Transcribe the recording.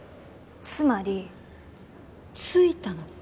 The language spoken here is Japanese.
つまり「着いたのか？」。